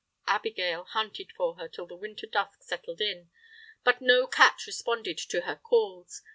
Abigail hunted for her till the winter dusk settled in, but no cat responded to her calls.